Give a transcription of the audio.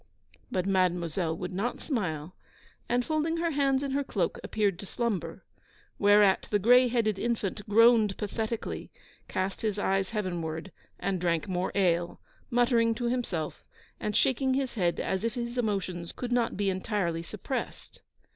But Mademoiselle would not smile; and, folding her hands in her cloak, appeared to slumber. Whereat the gray headed infant groaned pathetically, cast his eyes heavenward, and drank more ale, muttering to himself, and shaking his head as if his emotions could not be entirely suppressed.